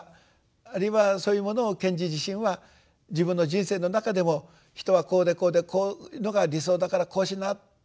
あるいはそういうものを賢治自身は自分の人生の中でも「人はこうでこうでこういうのが理想だからこうしな」ということじゃない。